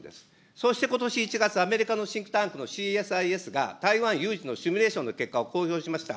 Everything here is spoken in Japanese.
そしてことし１月、アメリカのシンクタンクのＣＳＩＳが台湾有事のシミュレーションの結果を公表しました。